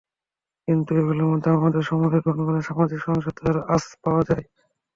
কিন্তু এগুলোর মধ্যে আমাদের সময়ের গনগনে সামাজিক সহিংসতার আঁচ পাওয়া যায়।